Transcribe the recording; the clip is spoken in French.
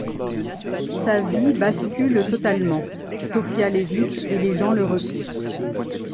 Sa vie bascule totalement, Sofia l’évite et les gens le repoussent.